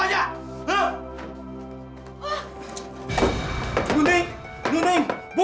saya tidak seribu